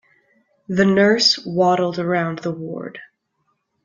The nurse waddled around the ward.